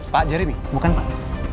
pak jeremy bukan pak